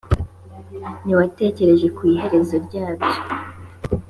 ntiwatekereje ku iherezo ryabyo